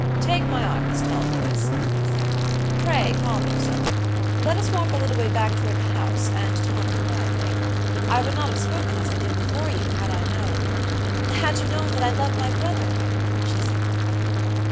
"Take my arm, Miss Talboys," he said. "Pray calm yourself. Let us walk a little way back toward the house, and talk quietly. I would not have spoken as I did before you had I known" "Had you known that I loved my brother?" she said, quickly.